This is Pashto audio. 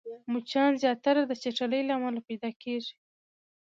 مچان زياتره د چټلۍ له امله پيدا کېږي